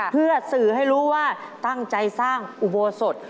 เพื่อสื่อให้รู้ว่าตั้งใจสร้างอุโบสถ